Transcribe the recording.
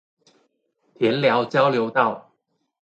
田寮交流道